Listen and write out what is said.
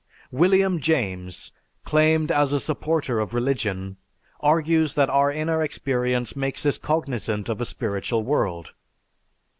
William James, claimed as a supporter of religion, argues that our inner experience makes us cognizant of a spiritual world.